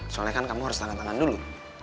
soalnya kan kamu harus tangan tangan dulu